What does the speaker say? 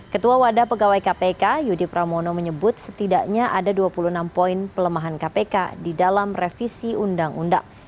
ketua wadah pegawai kpk yudi pramono menyebut setidaknya ada dua puluh enam poin pelemahan kpk di dalam revisi undang undang